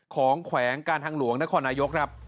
ของแขวงการทางหลวงนครนายก